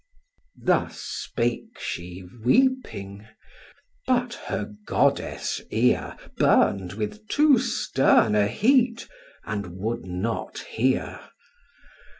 Thus spake she weeping: but her goddess' ear Burn'd with too stern a heat, and would not hear.